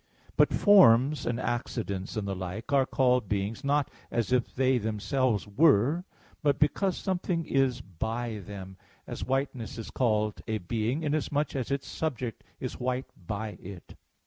But forms and accidents and the like are called beings, not as if they themselves were, but because something is by them; as whiteness is called a being, inasmuch as its subject is white by it.